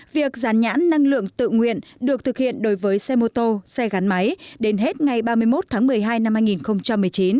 việc gián nhãn năng lượng tự nguyện được thực hiện đối với xe mô tô xe gắn máy đến hết ngày ba mươi một tháng một mươi hai năm hai nghìn một mươi chín